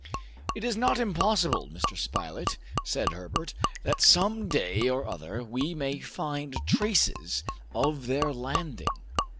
"It is not impossible, Mr. Spilett," said Herbert, "that some day or other we may find traces of their landing."